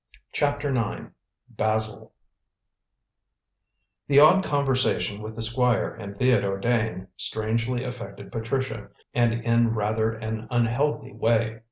CHAPTER IX BASIL The odd conversation with the Squire and Theodore Dane strangely affected Patricia, and in rather an unhealthy way.